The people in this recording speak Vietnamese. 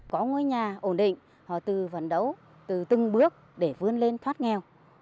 có ngôi nhà ổn định họ tự vận đấu từ từng bước để vươn lên thoát nghèo